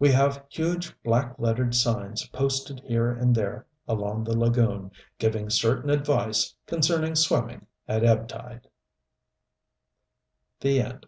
We have huge, black lettered signs posted here and there along the lagoon, giving certain advice concerning swimming at ebb tide. THE END.